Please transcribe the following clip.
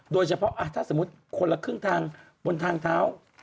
โดยเฉพาะถ้าสมมุติคนละครึ่งทางบนทางเท้า